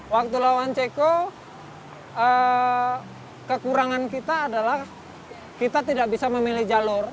waktu lawan ceko kekurangan kita adalah kita tidak bisa memilih jalur